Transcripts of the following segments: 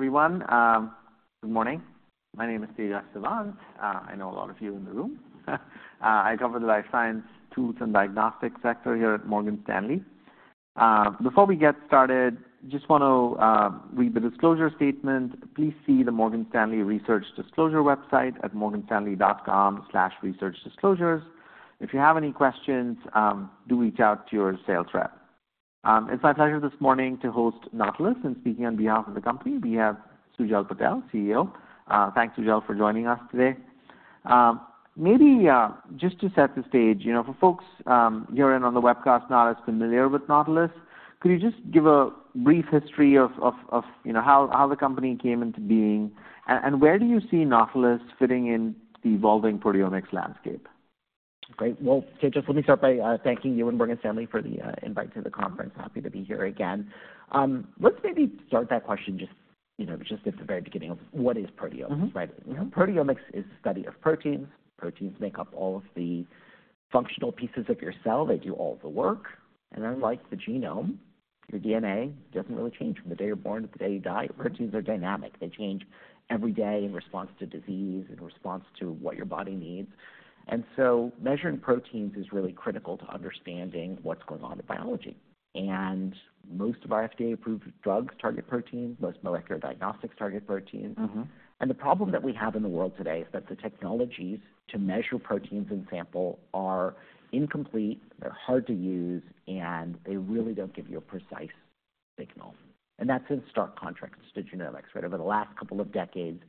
Everyone, good morning. My name is Tejas Savant. I know a lot of you in the room. I cover the life science tools and diagnostics sector here at Morgan Stanley. Before we get started, just want to read the disclosure statement. Please see the Morgan Stanley Research Disclosure website at morganstanley.com/researchdisclosures. If you have any questions, do reach out to your sales rep. It's my pleasure this morning to host Nautilus, and speaking on behalf of the company, we have Sujal Patel, CEO. Thanks, Sujal, for joining us today. Maybe just to set the stage, you know, for folks here and on the webcast not as familiar with Nautilus, could you just give a brief history of, you know, how the company came into being? Where do you see Nautilus fitting in the evolving proteomics landscape? Great. Well, Tejas, let me start by thanking you and Morgan Stanley for the invite to the conference. Happy to be here again. Let's maybe start that question just, you know, just at the very beginning of what. Proteomics is study of proteins. Proteins make up all of the functional pieces of your cell. They do all the work, and unlike the genome, your DNA doesn't really change from the day you're born to the day you die. Proteins are dynamic. They change every day in response to disease, in response to what your body needs. And so measuring proteins is really critical to understanding what's going on in biology. Most of our FDA-approved drugs target proteins, most molecular diagnostics target proteins. Mm-hmm. And the problem that we have in the world today is that the technologies to measure proteins in sample are incomplete, they're hard to use, and they really don't give you a precise signal. And that's in stark contrast to genomics, right? Over the last couple of decades,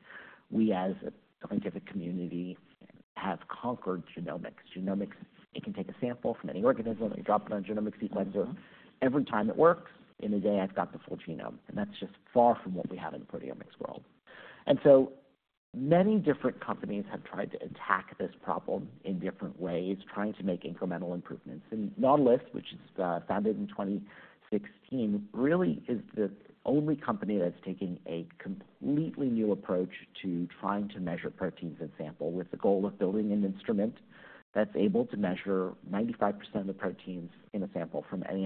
we, as a scientific community, have conquered genomics. Genomics, it can take a sample from any organism, and you drop it on a genomics sequencer. Mm-hmm. Every time it works, in a day, I've got the full genome, and that's just far from what we have in the proteomics world. So many different companies have tried to attack this problem in different ways, trying to make incremental improvements. Nautilus, which is, founded in 2016, really is the only company that's taking a completely new approach to trying to measure proteins and sample, with the goal of building an instrument that's able to measure 95% of the proteins in a sample from any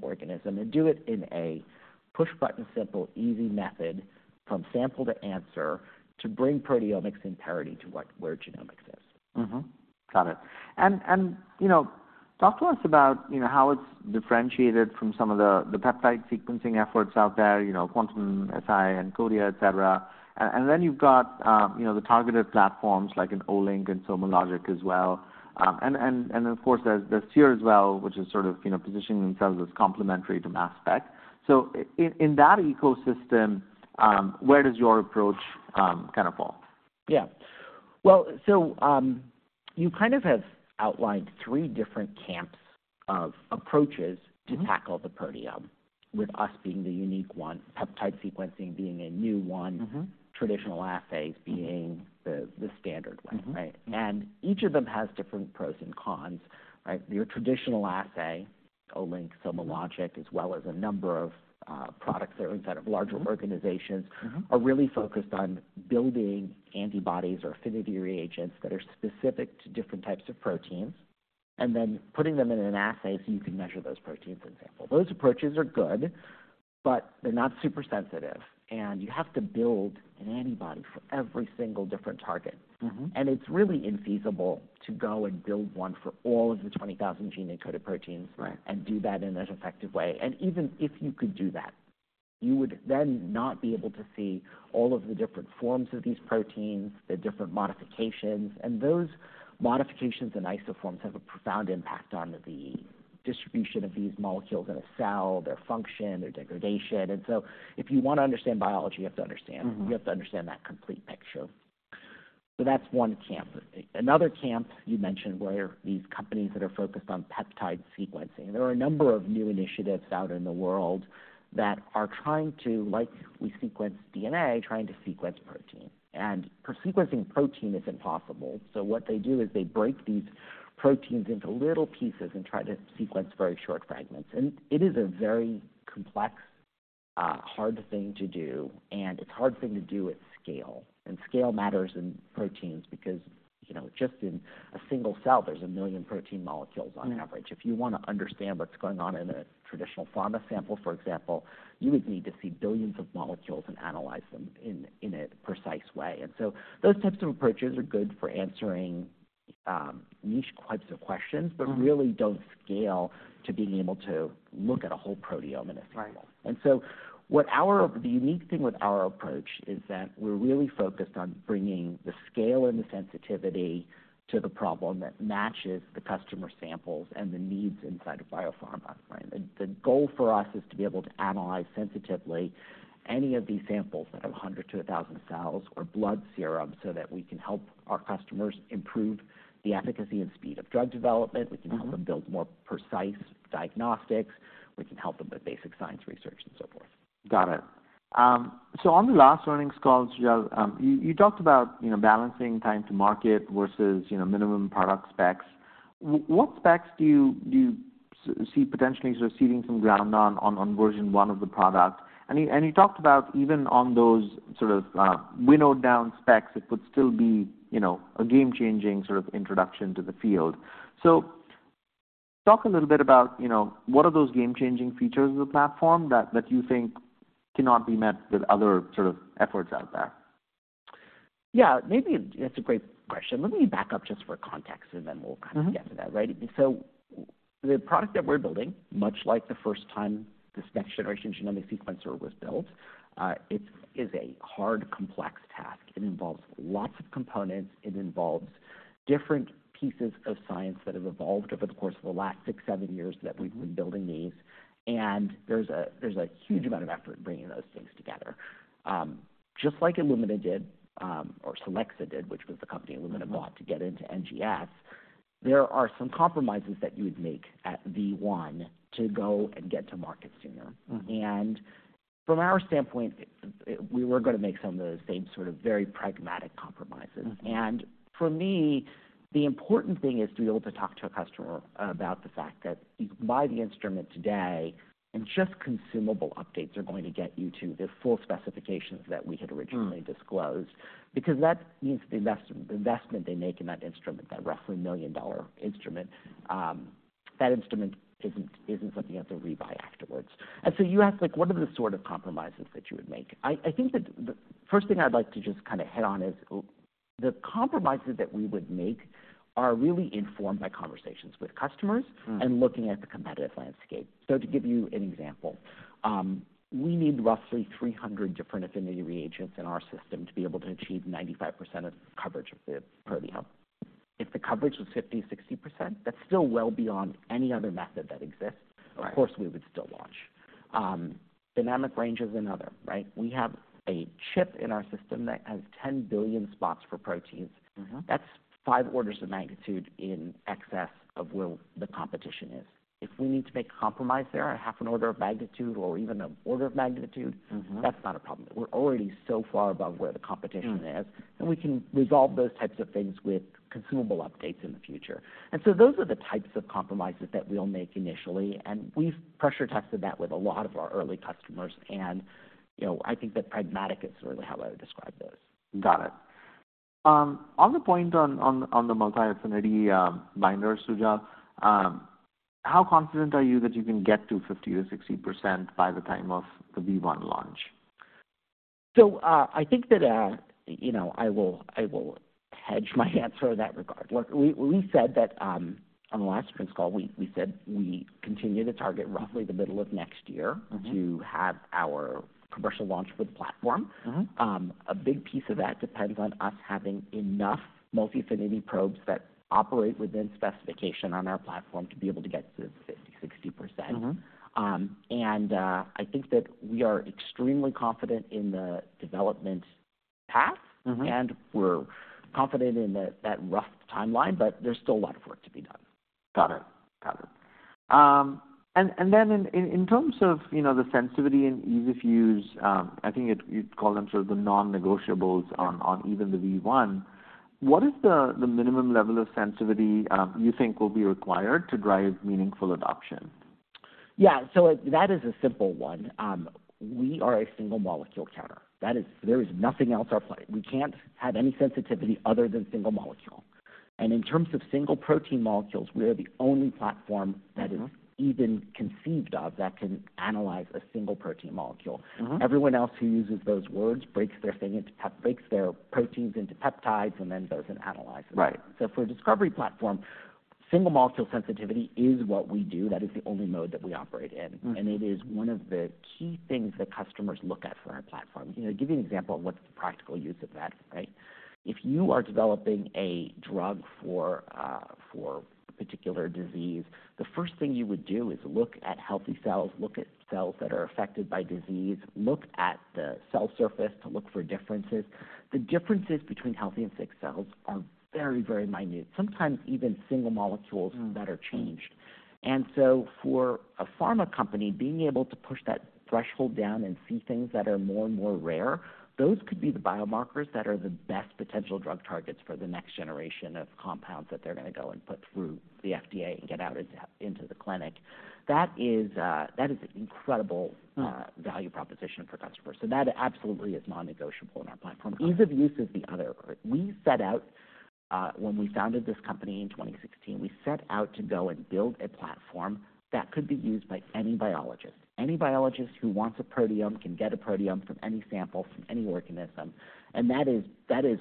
organism, and do it in a push-button, simple, easy method from sample to answer, to bring proteomics in parity to where genomics is. Mm-hmm. Got it. And, and, you know, talk to us about, you know, how it's differentiated from some of the, the peptide sequencing efforts out there, you know, Quantum-Si and Encodia, et cetera. And, and then you've got, you know, the targeted platforms like Olink and SomaLogic as well. And, and, and of course, there's, there's Seer as well, which is sort of, you know, positioning themselves as complementary to mass spec. So in, in that ecosystem, where does your approach kind of fall? Yeah. Well, so, you kind of have outlined three different camps of approaches- Mm-hmm. to tackle the proteome, with us being the unique one, peptide sequencing being a new one- Mm-hmm. traditional assays being the standard way. Mm-hmm. Right? And each of them has different pros and cons, right? Your traditional assay, Olink, SomaLogic, as well as a number of, products that are inside of larger- Mm-hmm. Organizations, are really focused on building antibodies or affinity reagents that are specific to different types of proteins, and then putting them in an assay so you can measure those proteins, for example. Those approaches are good, but they're not super sensitive, and you have to build an antibody for every single different target. Mm-hmm. It's really infeasible to go and build one for all of the 20,000 gene-encoded proteins Right... and do that in an effective way. Even if you could do that, you would then not be able to see all of the different forms of these proteins, the different modifications. Those modifications and isoforms have a profound impact on the distribution of these molecules in a cell, their function, their degradation. So if you want to understand biology, you have to understand- Mm-hmm. You have to understand that complete picture. So that's one camp. Another camp you mentioned were these companies that are focused on peptide sequencing. There are a number of new initiatives out in the world that are trying to... like we sequence DNA, trying to sequence protein. And for sequencing protein, it's impossible, so what they do is they break these proteins into little pieces and try to sequence very short fragments. And it is a very complex, hard thing to do, and it's a hard thing to do with scale. And scale matters in proteins because, you know, just in a single cell, there's 1,000,000 protein molecules on average. Mm-hmm. If you want to understand what's going on in a traditional pharma sample, for example, you would need to see billions of molecules and analyze them in a precise way. And so those types of approaches are good for answering, niche types of questions Mm-hmm... but really don't scale to being able to look at a whole proteome in a sample. Right. And so the unique thing with our approach is that we're really focused on bringing the scale and the sensitivity to the problem that matches the customer samples and the needs inside of biopharma, right? The goal for us is to be able to analyze sensitively any of these samples that have 100-1,000 cells or blood serum, so that we can help our customers improve the efficacy and speed of drug development. Mm-hmm. We can help them build more precise diagnostics. We can help them with basic science research and so forth. Got it. So on the last earnings call, Sujal, you talked about, you know, balancing time to market versus, you know, minimum product specs. What specs do you see potentially sort of ceding some ground on, on version one of the product? And you talked about even on those sort of winnowed down specs, it would still be, you know, a game-changing sort of introduction to the field. So talk a little bit about, you know, what are those game-changing features of the platform that you think cannot be met with other sort of efforts out there? Yeah, maybe it's a great question. Let me back up just for context, and then we'll Mm-hmm. kind of get to that, right? So the product that we're building, much like the first time this next generation genomic sequencer was built, it is a hard, complex task. It involves lots of components. It involves different pieces of science that have evolved over the course of the last six, seven years- Mm-hmm. that we've been building these. And there's a, there's a huge amount of effort bringing those things together. Just like Illumina did, or Solexa did, which was the company Illumina Mm-hmm bought to get into NGS, there are some compromises that you would make at V1 to go and get to market sooner. Mm-hmm. From our standpoint, we were gonna make some of those same sort of very pragmatic compromises. Mm-hmm. For me, the important thing is to be able to talk to a customer about the fact that you can buy the instrument today, and just consumable updates are going to get you to the full specifications that we had originally- Mm... disclosed. Because that means the investment they make in that instrument, that roughly $1 million instrument, that instrument isn't something you have to rebuy afterwards. And so you asked, like, what are the sort of compromises that you would make? I think that the first thing I'd like to just kind of hit on is, the compromises that we would make are really informed by conversations with customers- Mm. and looking at the competitive landscape. So to give you an example, we need roughly 300 different affinity reagents in our system to be able to achieve 95% of coverage of the proteome. If the coverage was 50%-60%, that's still well beyond any other method that exists. Right. Of course, we would still launch. Dynamic range is another, right? We have a chip in our system that has 10 billion spots for proteins. Mm-hmm. That's five orders of magnitude in excess of where the competition is. If we need to make a compromise there, a half an order of magnitude or even an order of magnitude Mm-hmm. That's not a problem. We're already so far above where the competition is. Mm. We can resolve those types of things with consumable updates in the future. So those are the types of compromises that we'll make initially, and we've pressure tested that with a lot of our early customers. You know, I think that pragmatic is really how I would describe those. Got it. On the point on the multi-affinity binder, Sujal, how confident are you that you can get to 50% or 60% by the time of the V1 launch? So, I think that, you know, I will, I will hedge my answer in that regard. Look, we, we said that, on the last earnings call, we, we said we continue to target roughly the middle of next year Mm-hmm... to have our commercial launch for the platform. Mm-hmm. A big piece of that depends on us having enough multi-affinity probes that operate within specification on our platform to be able to get to the 50%-60%. Mm-hmm. I think that we are extremely confident in the development path. Mm-hmm. We're confident in that rough timeline, but there's still a lot of work to be done. Got it. Got it. And then in terms of, you know, the sensitivity and ease of use, I think you'd call them sort of the non-negotiables on even the V1. What is the minimum level of sensitivity you think will be required to drive meaningful adoption? Yeah, so that is a simple one. We are a single molecule counter. That is... There is nothing else our play. We can't have any sensitivity other than single molecule. And in terms of single protein molecules, we are the only platform that is- Mm - even conceived of that can analyze a single protein molecule. Mm-hmm. Everyone else who uses those words breaks their thing into breaks their proteins into peptides and then does an analysis. Right. For discovery platform, single-molecule sensitivity is what we do. That is the only mode that we operate in. Mm. It is one of the key things that customers look at for our platform. You know, to give you an example of what's the practical use of that, right? If you are developing a drug for, for a particular disease, the first thing you would do is look at healthy cells, look at cells that are affected by disease, look at the cell surface to look for differences. The differences between healthy and sick cells are very, very minute, sometimes even single molecules. Mm that are changed. And so for a pharma company, being able to push that threshold down and see things that are more and more rare, those could be the biomarkers that are the best potential drug targets for the next generation of compounds that they're gonna go and put through the FDA and get out into, into the clinic. That is, that is an incredible- Mm Value proposition for customers, so that absolutely is non-negotiable in our platform. Got it. Ease of use is the other. We set out, when we founded this company in 2016, we set out to go and build a platform that could be used by any biologist. Any biologist who wants a proteome can get a proteome from any sample, from any organism, and that is, that is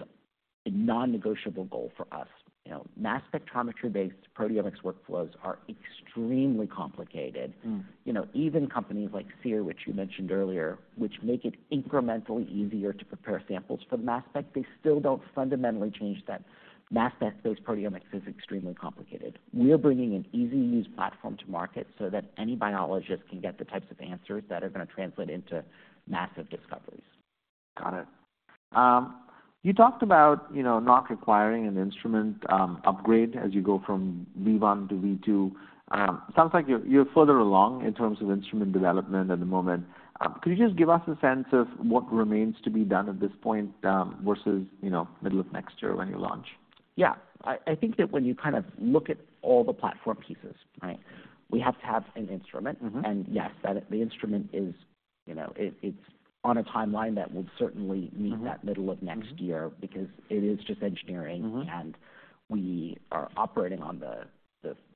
a non-negotiable goal for us. You know, mass spectrometry-based proteomics workflows are extremely complicated. Mm. You know, even companies like Seer, which you mentioned earlier, which make it incrementally easier to prepare samples for mass spec, they still don't fundamentally change that. Mass spec-based proteomics is extremely complicated. We are bringing an easy-to-use platform to market so that any biologist can get the types of answers that are gonna translate into massive discoveries. Got it. You talked about, you know, not requiring an instrument upgrade as you go from V1-V2. Sounds like you're further along in terms of instrument development at the moment. Could you just give us a sense of what remains to be done at this point, versus, you know, middle of next year when you launch? Yeah. I think that when you kind of look at all the platform pieces, right? We have to have an instrument. Mm-hmm. Yes, the instrument is, you know, it's on a timeline that will certainly Mm-hmm meet that middle of next year. Mm-hmm. Because it is just engineering. Mm-hmm. And we are operating on the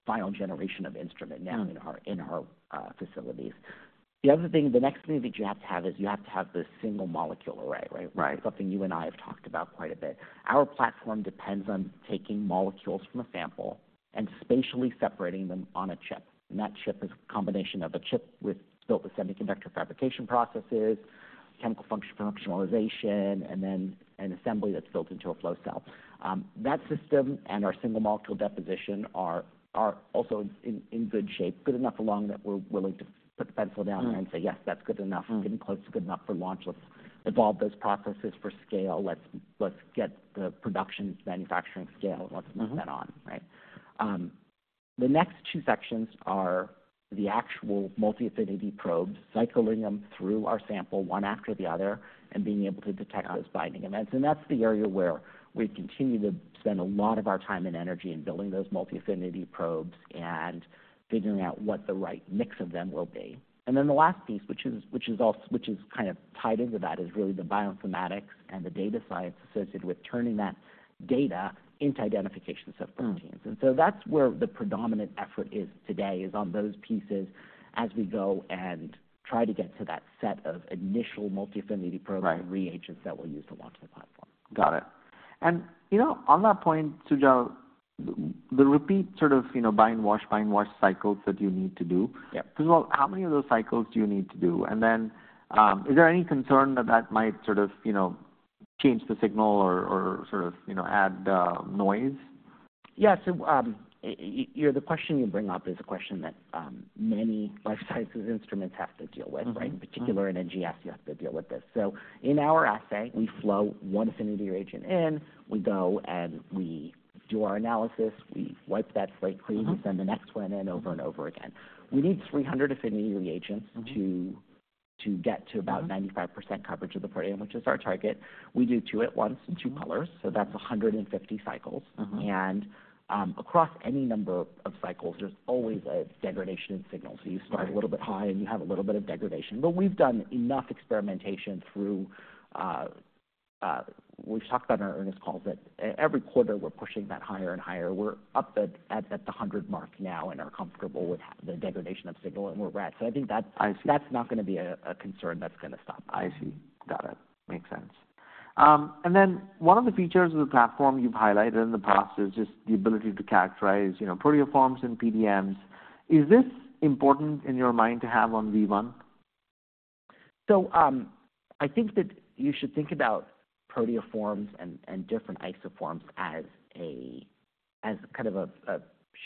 final generation of instrument now Mm-hmm in our facilities. The other thing, the next thing that you have to have is, you have to have the single molecule array, right? Right. Something you and I have talked about quite a bit. Our platform depends on taking molecules from a sample and spatially separating them on a chip, and that chip is a combination of a chip with built with semiconductor fabrication processes, chemical function, functionalization, and then an assembly that's built into a flow cell. That system and our single molecule deposition are also in good shape, good enough along that we're willing to put the pencil down Mm. -and say: Yes, that's good enough. Mm. Getting close to good enough for launch. Let's evolve those processes for scale. Let's, let's get the production, manufacturing scale. Mm-hmm. Let's move that on, right? The next two sections are the actual multi-affinity probes, cycling them through our sample, one after the other, and being able to detect- Got it -those binding events. And that's the area where we continue to spend a lot of our time and energy in building those multi-affinity probes and figuring out what the right mix of them will be. And then the last piece, which is also kind of tied into that, is really the bioinformatics and the data science associated with turning that data into identification subroutines. Mm. And so that's where the predominant effort is today, is on those pieces as we go and try to get to that set of initial multi-affinity probe- Right reagents that we'll use to launch the platform. Got it. And, you know, on that point, Sujal, the repeat sort of, you know, bind, wash, bind, wash cycles that you need to do. Yeah. First of all, how many of those cycles do you need to do? And then, is there any concern that that might sort of, you know, change the signal or, or sort of, you know, add noise? Yeah. So, you know, the question you bring up is a question that, many life sciences instruments have to deal with, right? Mm-hmm. Particularly in NGS, you have to deal with this. So in our assay, we flow one affinity reagent in, we go and we do our analysis, we wipe that plate clean Mm-hmm... we send the next one in over and over again. We need 300 affinity reagents- Mm-hmm to get to about Mm-hmm 95% coverage of the protein, which is our target. We do two at once- Mm-hmm -two colors, so that's 150 cycles. Mm-hmm. Across any number of cycles, there's always a degradation in signal. Right. So you start a little bit high, and you have a little bit of degradation. But we've done enough experimentation through. We've talked about in our earnings calls that every quarter, we're pushing that higher and higher. We're up at the 100 mark now and are comfortable with the degradation of signal and where we're at. So I think that- I see. -that's not gonna be a concern that's gonna stop us. I see. Got it. Makes sense. And then one of the features of the platform you've highlighted in the past is just the ability to characterize, you know, proteoforms and PTMs. Is this important in your mind to have on V1? So, I think that you should think about proteoforms and different isoforms as kind of a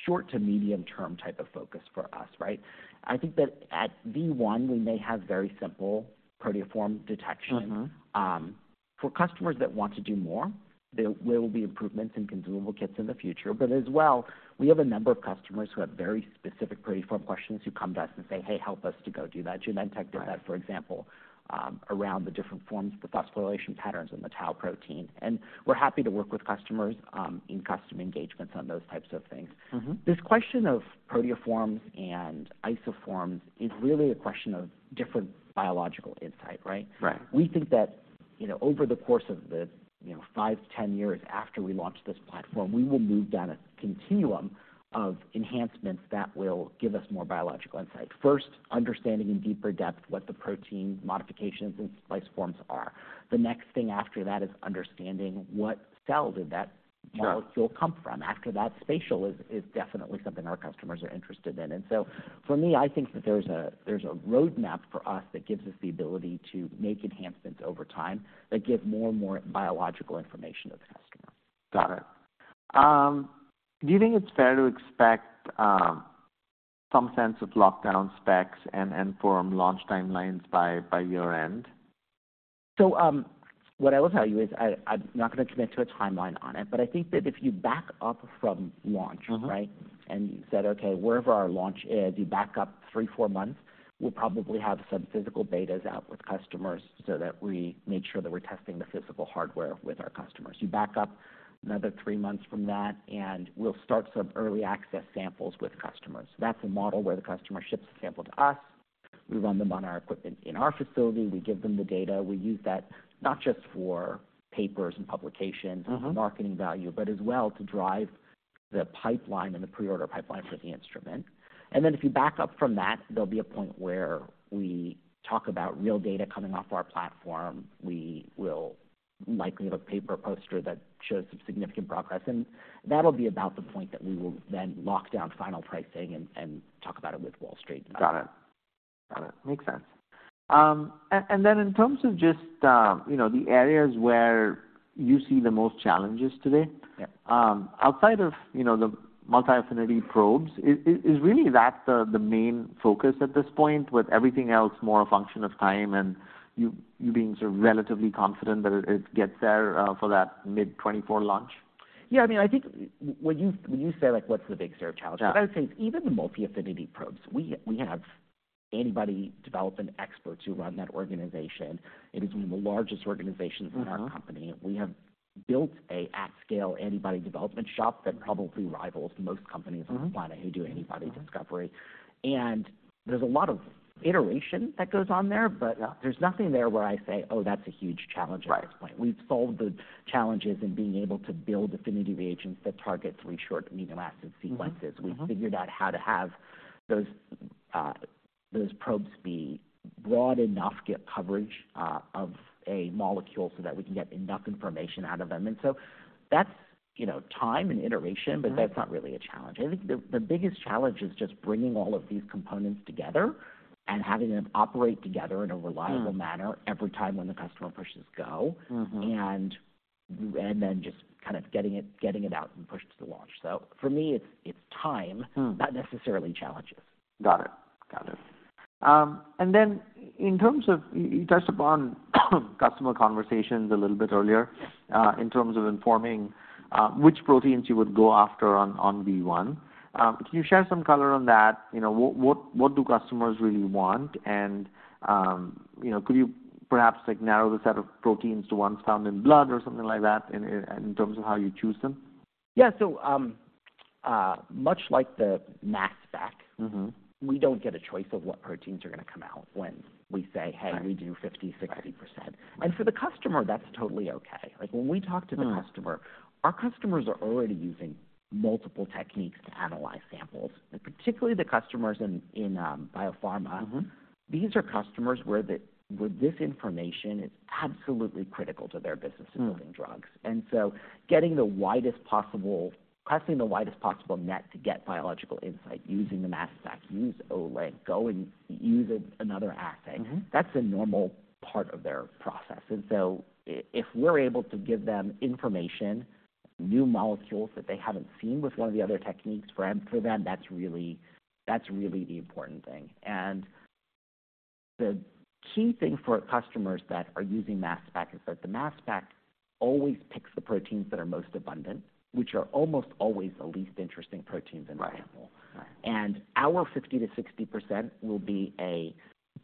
short to medium term type of focus for us, right? I think that at V1, we may have very simple proteoform detection. Mm-hmm. For customers that want to do more, there will be improvements and consumable kits in the future. But as well, we have a number of customers who have very specific proteoform questions, who come to us and say, "Hey, help us to go do that. Right. Genentech did that, for example, around the different forms of the phosphorylation patterns and the Tau protein. We're happy to work with customers, in custom engagements on those types of things. Mm-hmm. This question of proteoforms and isoforms is really a question of different biological insight, right? Right. We think that, you know, over the course of the, you know, five-10 years after we launch this platform, we will move down a continuum of enhancements that will give us more biological insight. First, understanding in deeper depth what the protein modifications and splice forms are. The next thing after that is understanding what cell did that- Sure -molecule come from. After that, spatial is definitely something our customers are interested in. And so for me, I think that there's a roadmap for us that gives us the ability to make enhancements over time, that give more and more biological information to the customer. Got it. Do you think it's fair to expect some sense of lockdown specs and form launch timelines by year-end? What I will tell you is I'm not gonna commit to a timeline on it, but I think that if you back up from launch- Mm-hmm... right? And you said, "Okay, wherever our launch is," you back up three-four months, we'll probably have some physical betas out with customers so that we make sure that we're testing the physical hardware with our customers. You back up another three months from that, and we'll start some early access samples with customers. So that's a model where the customer ships a sample to us, we run them on our equipment in our facility, we give them the data. We use that not just for papers and publications- Mm-hmm... marketing value, but as well to drive the pipeline and the pre-order pipeline for the instrument. And then if you back up from that, there'll be a point where we talk about real data coming off our platform. We will likely have a paper poster that shows some significant progress, and that'll be about the point that we will then lock down final pricing and, and talk about it with Wall Street. Got it. Got it. Makes sense. And then in terms of just, you know, the areas where you see the most challenges today- Yeah... outside of, you know, the multi-affinity probes, is really that the main focus at this point, with everything else more a function of time and you being sort of relatively confident that it gets there for that mid-2024 launch? Yeah, I mean, I think when you, when you say like, what's the big area of challenge? Yeah. What I would say is, even the multi-affinity probes, we have a body of development experts who run that organization. It is one of the largest organizations in our company. Mm-hmm. We have built an at-scale antibody development shop that probably rivals most companies- Mm-hmm on the planet who do antibody discovery. And there's a lot of iteration that goes on there, but, there's nothing there where I say, "Oh, that's a huge challenge at this point. Right. We've solved the challenges in being able to build affinity reagents that target three short amino acid sequences. Mm-hmm, mm-hmm. We've figured out how to have those, those probes be broad enough, get coverage, of a molecule so that we can get enough information out of them. And so that's, you know, time and iteration Mm-hmm. But that's not really a challenge. I think the biggest challenge is just bringing all of these components together and having them operate together in a reliable Mm every time when the customer pushes go. Mm-hmm. and then just kind of getting it out and pushed to launch. So for me, it's time- Mm. -not necessarily challenges. Got it. Got it. And then in terms of... You touched upon customer conversations a little bit earlier, in terms of informing which proteins you would go after on V1. Can you share some color on that? You know, what do customers really want? And you know, could you perhaps, like, narrow the set of proteins to ones found in blood or something like that, in terms of how you choose them? Yeah. So, much like the mass spec Mm-hmm... we don't get a choice of what proteins are gonna come out when we say- Right Hey, we do 50%-60%. Right. For the customer, that's totally okay. Like, when we talk to the customer- Mm -our customers are already using multiple techniques to analyze samples, and particularly the customers in biopharma. Mm-hmm. These are customers where this information is absolutely critical to their business- Mm of building drugs. And so casting the widest possible net to get biological insight, using the mass spec, use Olink, go and use another assay. Mm-hmm. That's a normal part of their process. And so if we're able to give them information, new molecules that they haven't seen with one of the other techniques, for them, for them, that's really, that's really the important thing. And the key thing for customers that are using mass spec is that the mass spec always picks the proteins that are most abundant, which are almost always the least interesting proteins in the sample. Right. Right. Our 50%-60%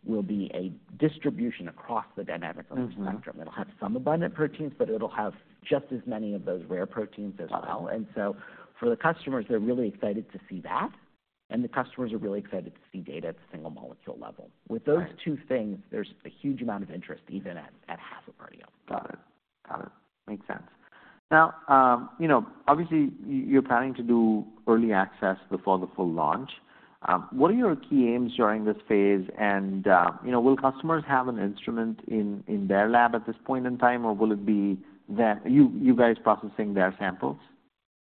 will be a distribution across the dynamic range spectrum. Mm-hmm. It'll have some abundant proteins, but it'll have just as many of those rare proteins as well. Uh-huh. And so for the customers, they're really excited to see that, and the customers are really excited to see data at the single molecule level. Right. With those two things, there's a huge amount of interest, even at half of proteome. Got it. Got it. Makes sense. Now, you know, obviously, you, you're planning to do early access before the full launch. What are your key aims during this phase? And, you know, will customers have an instrument in, in their lab at this point in time, or will it be them, you, you guys processing their samples?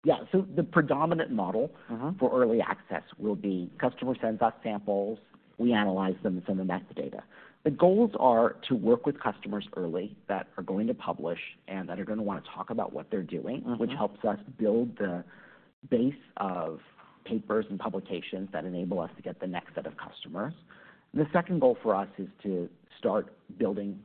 Yeah. So the predominant model Uh-huh ...for early access will be customer sends us samples, we analyze them and send them back the data. The goals are to work with customers early that are going to publish and that are gonna wanna talk about what they're doing- Mm-hmm... which helps us build the base of papers and publications that enable us to get the next set of customers. The second goal for us is to start building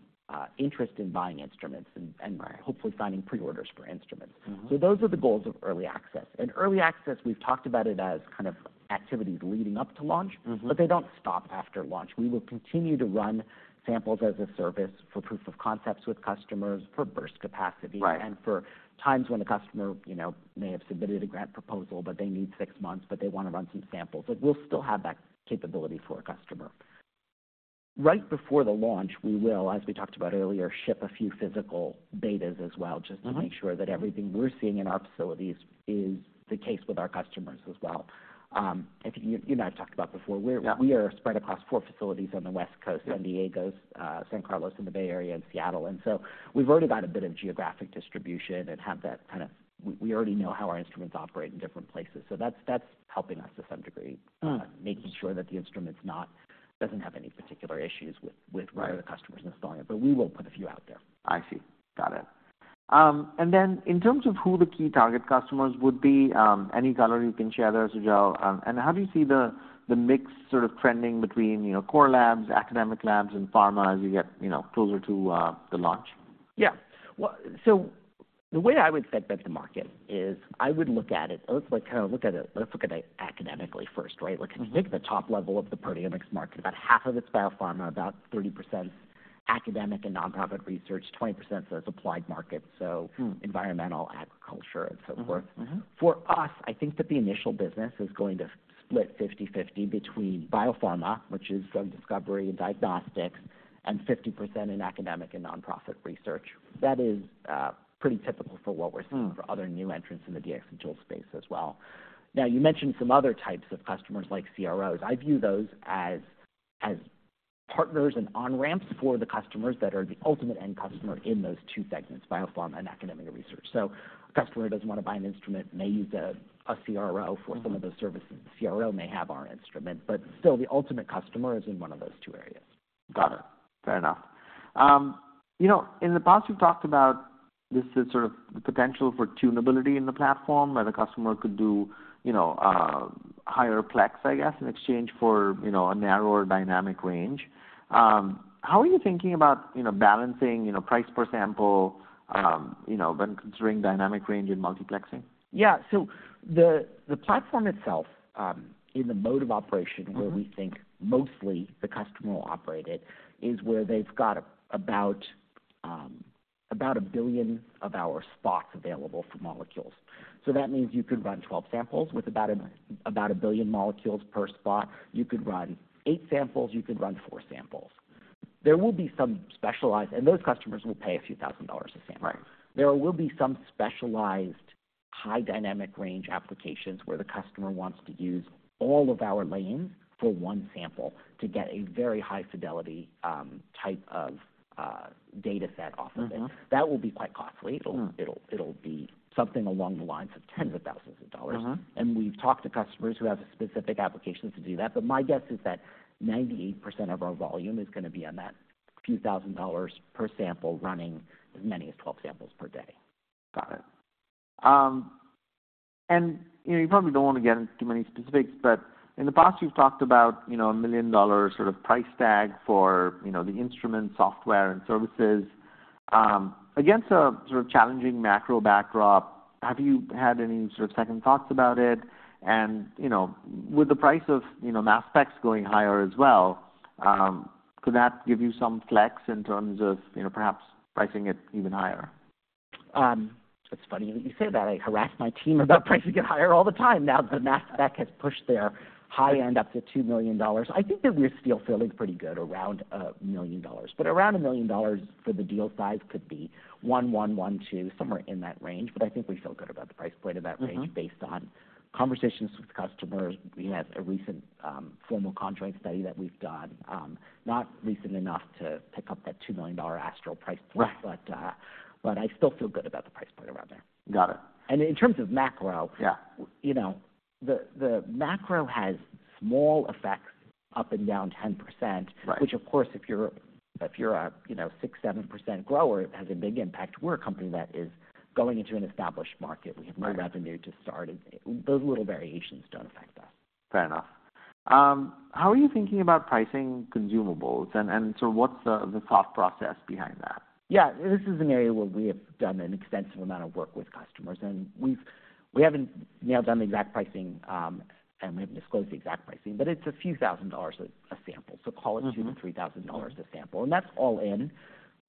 interest in buying instruments and- Right... hopefully signing pre-orders for instruments. Mm-hmm. Those are the goals of early access. Early access, we've talked about it as kind of activities leading up to launch. Mm-hmm. But they don't stop after launch. We will continue to run samples as a service for proof of concepts with customers, for burst capacity Right... and for times when a customer, you know, may have submitted a grant proposal, but they need six months, but they want to run some samples. Like, we'll still have that capability for a customer. Right before the launch, we will, as we talked about earlier, ship a few physical betas as well- Mm-hmm... just to make sure that everything we're seeing in our facilities is the case with our customers as well. I think you and I have talked about before- Yeah... we are spread across four facilities on the West Coast: San Diego, San Carlos in the Bay Area, and Seattle. And so we've already got a bit of geographic distribution and have that kind of, we already know how our instruments operate in different places, so that's helping us to some degree. Mm-hmm. Making sure that the instrument doesn't have any particular issues with, with- Right where the customer is installing it, but we will put a few out there. I see. Got it. And then in terms of who the key target customers would be, any color you can share there as well? And how do you see the mix sort of trending between, you know, core labs, academic labs, and pharma as you get, you know, closer to the launch? Yeah. Well, so the way I would segment the market is I would look at it. Let's, like, kind of look at it academically first, right? Mm-hmm. Like, if you take the top level of the proteomics market, about half of it's biopharma, about 30%'s the academic and nonprofit research, 20%'s the applied market- Hmm... so environmental, agriculture, and so forth. Mm-hmm, mm-hmm. For us, I think that the initial business is going to split 50/50 between biopharma, which is drug discovery and diagnostics, and 50% in academic and nonprofit research. That is, pretty typical for what we're seeing- Hmm... for other new entrants in the DX tool space as well. Now, you mentioned some other types of customers, like CROs. I view those as partners and on-ramps for the customers that are the ultimate end customer in those two segments, biopharma and academic research. So a customer who doesn't want to buy an instrument may use a CRO for some- Mm-hmm... of those services. The CRO may have our instrument, but still, the ultimate customer is in one of those two areas. Got it. Fair enough. You know, in the past, you've talked about this as sort of the potential for tunability in the platform, where the customer could do, you know, higher plex, I guess, in exchange for, you know, a narrower dynamic range. How are you thinking about, you know, balancing, you know, price per sample, you know, when considering dynamic range and multiplexing? Yeah. So the platform itself, in the mode of operation- Mm-hmm... where we think mostly the customer will operate it, is where they've got about 1 billion of our spots available for molecules. So that means you could run 12 samples with about 1 billion molecules per spot. You could run 8 samples, you could run four samples. There will be some specialized, and those customers will pay a few thousand dollars a sample. Right. There will be some specialized high dynamic range applications where the customer wants to use all of our lanes for one sample to get a very high fidelity type of data set off of it. Uh-huh. That will be quite costly. Hmm. It'll be something along the lines of tens of thousands of dollars. Uh-huh. We've talked to customers who have specific applications to do that, but my guess is that 98% of our volume is gonna be on that few thousand dollars per sample, running as many as 12 samples per day. Got it. And, you know, you probably don't want to get into too many specifics, but in the past you've talked about, you know, a $1 million sort of price tag for, you know, the instrument, software, and services. Against a sort of challenging macro backdrop, have you had any sort of second thoughts about it? And, you know, with the price of, you know, mass specs going higher as well, could that give you some flex in terms of, you know, perhaps pricing it even higher? It's funny that you say that. I harass my team about pricing it higher all the time now that the mass spec has pushed their high end up to $2 million. I think that we're still feeling pretty good around $1 million, but around $1 million for the deal size could be one, one, one, two, somewhere in that range. But I think we feel good about the price point of that range- Mm-hmm. - based on conversations with customers. We had a recent, formal contract study that we've done, not recent enough to pick up that $2 million Astral price point. Right. But, I still feel good about the price point around there. Got it. And in terms of macro- Yeah. You know, the macro has small effects up and down 10%. Right. Which, of course, if you're a, you know, 6%-7% grower, it has a big impact. We're a company that is going into an established market. Right. We have no revenue to start it. Those little variations don't affect us. Fair enough. How are you thinking about pricing consumables and so what's the thought process behind that? Yeah, this is an area where we have done an extensive amount of work with customers, and we haven't nailed down the exact pricing, and we haven't disclosed the exact pricing, but it's a few thousand dollars a sample. Mm-hmm. So call it $2,000-$3,000 a sample, and that's all in.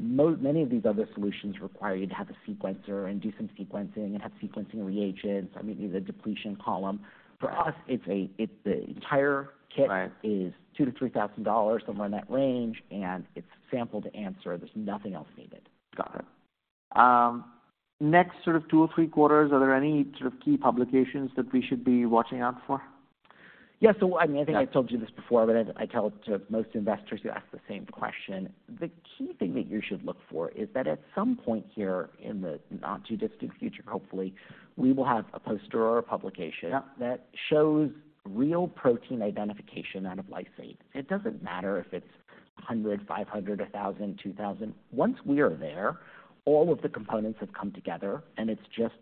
Many of these other solutions require you to have a sequencer and do some sequencing and have sequencing reagents. I mean, you need a depletion column. For us, it's the entire kit- Right is $2,000-$3,000, somewhere in that range, and it's sample to answer. There's nothing else needed. Got it. Next sort of two or three quarters, are there any sort of key publications that we should be watching out for? Yeah. So, I mean, I think I've told you this before, but I tell it to most investors who ask the same question. The key thing that you should look for is that at some point here in the not-too-distant future, hopefully, we will have a poster or a publication- Yeah that shows real protein identification out of lysate. It doesn't matter if it's 100, 500, 1,000, 2,000. Once we are there, all of the components have come together, and it's just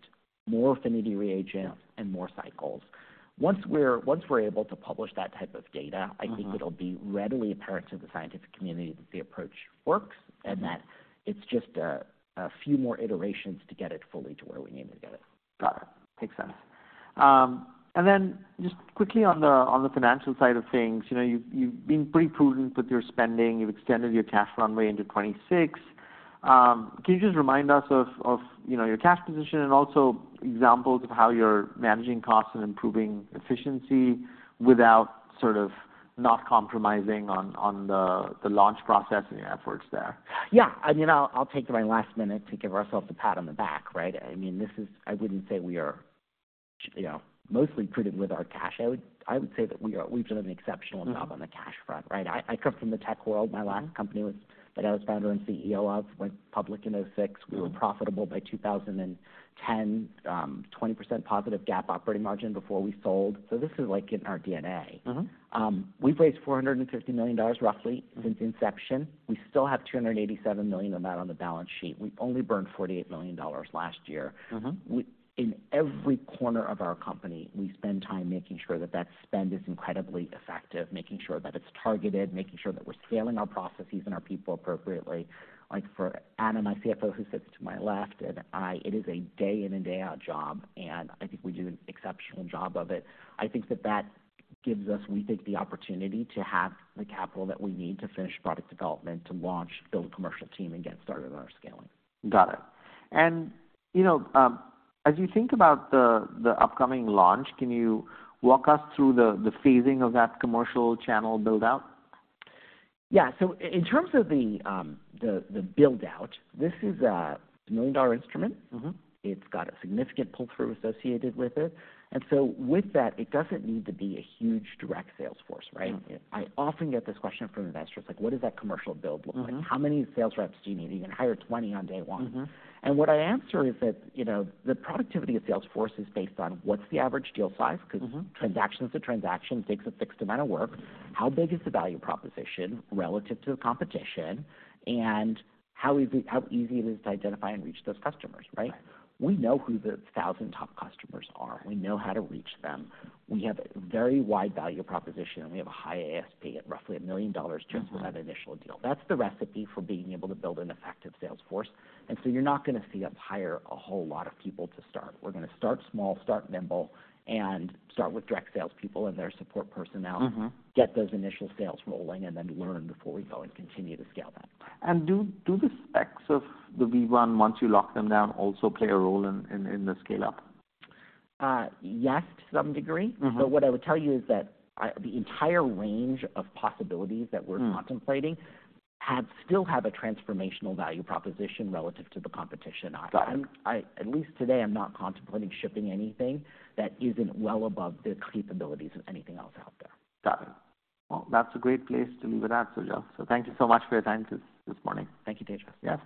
more affinity reagents- Yeah - and more cycles. Once we're, once we're able to publish that type of data- Mm-hmm I think it'll be readily apparent to the scientific community that the approach works- Mm-hmm that it's just a few more iterations to get it fully to where we need to get it. Got it. Makes sense. And then just quickly on the, on the financial side of things, you know, you've, you've been pretty prudent with your spending. You've extended your cash runway into 2026. Can you just remind us of, of, you know, your cash position and also examples of how you're managing costs and improving efficiency without sort of not compromising on, on the, the launch process and your efforts there? Yeah. I mean, I'll, I'll take my last minute to give ourselves a pat on the back, right? I mean, this is... I wouldn't say we are, you know, mostly prudent with our cash out. I would say that we are- we've done an exceptional job Mm On the cash front, right? I, I come from the tech world. Yeah. My last company, that I was founder and CEO of, went public in 2006. Mm. We were profitable by 2010, 20% positive GAAP operating margin before we sold. So this is, like, in our DNA. Mm-hmm. We've raised $450 million, roughly- Mm since inception. We still have $287 million of that on the balance sheet. We only burned $48 million last year. Mm-hmm. In every corner of our company, we spend time making sure that that spend is incredibly effective, making sure that it's targeted, making sure that we're scaling our processes and our people appropriately. Like, for Anna, my CFO, who sits to my left, and I, it is a day-in and day-out job, and I think we do an exceptional job of it. I think that that gives us, we think, the opportunity to have the capital that we need to finish product development, to launch, build a commercial team, and get started on our scaling. Got it. And, you know, as you think about the upcoming launch, can you walk us through the phasing of that commercial channel build-out? Yeah. So in terms of the build-out, this is a million-dollar instrument. Mm-hmm. It's got a significant pull-through associated with it, and so with that, it doesn't need to be a huge direct sales force, right? Yeah. I often get this question from investors, like: What does that commercial build look like? Mm-hmm. How many sales reps do you need? Do you even hire 20 on day one? Mm-hmm. What I answer is that, you know, the productivity of sales force is based on what's the average deal size- Mm-hmm because transaction to transaction takes a fixed amount of work. How big is the value proposition relative to the competition, and how easy, how easy it is to identify and reach those customers, right? Right. We know who the top 1,000 customers are. Right. We know how to reach them. We have a very wide value proposition, and we have a high ASP at roughly $1 million- Mm-hmm Just for that initial deal. That's the recipe for being able to build an effective sales force, and so you're not gonna see us hire a whole lot of people to start. We're gonna start small, start nimble, and start with direct sales people and their support personnel. Mm-hmm. Get those initial sales rolling and then learn before we go and continue to scale that. Do the specs of the V1, once you lock them down, also play a role in the scale-up? Yes, to some degree. Mm-hmm. But what I would tell you is that the entire range of possibilities that we're- Hmm still have a transformational value proposition relative to the competition. Got it. At least today, I'm not contemplating shipping anything that isn't well above the capabilities of anything else out there. Got it. Well, that's a great place to leave it at, Sujal. So thank you so much for your time this morning. Thank you, Tejas. Yes.